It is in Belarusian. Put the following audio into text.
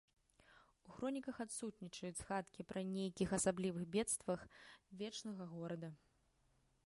У хроніках адсутнічаюць згадкі пра нейкіх асаблівых бедствах вечнага горада.